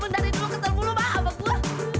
dari dulu ketel mulu pak apa gua